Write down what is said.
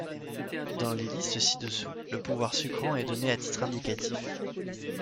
Dans les listes ci-dessous, le pouvoir sucrant est donné à titre indicatif.